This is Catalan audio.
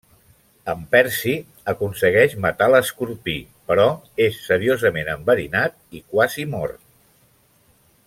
En Percy aconsegueix matar l'escorpí, però és seriosament enverinat i quasi mor.